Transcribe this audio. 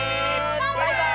バイバーイ！